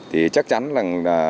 thì chắc chắn là